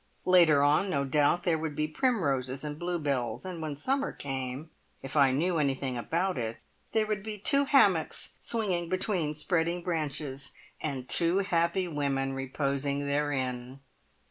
Later on no doubt there would be primroses and bluebells, and when summer came, if I knew anything about it, there would be two hammocks swinging between spreading branches, and two happy women reposing therein.